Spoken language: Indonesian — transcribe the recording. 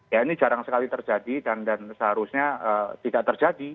ya ini jarang sekali terjadi dan seharusnya tidak terjadi